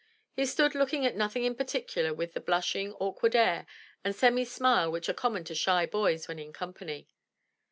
He stood looking at nothing in particular with the blushing, awkward air and semi smile which are common to shy boys when in company.